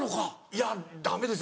いやダメです